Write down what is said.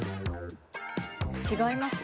違います？